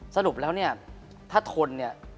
สรุปแล้วเนี่ยถ้าทนเนี่ย